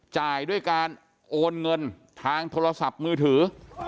จ่ายด้วยการโอนเงินทางโทรศัพท์มือถือ